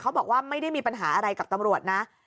บอกว่าไม่ได้มีปัญหาอะไรกับตำรวจนะ